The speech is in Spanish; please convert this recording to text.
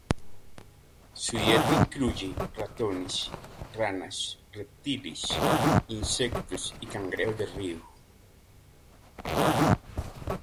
Su dieta incluye ratones, ranas, reptiles, insectos y cangrejos de río.